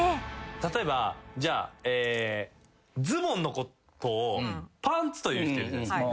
例えばズボンのことをパンツと言う人いるじゃないですか。